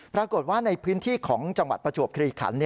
ปรากฏว่าในพื้นที่ของจปชคริยิคน